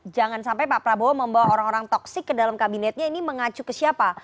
jangan sampai pak prabowo membawa orang orang toksik ke dalam kabinetnya ini mengacu ke siapa